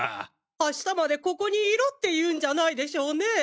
明日までここにいろっていうんじゃないでしょうね！？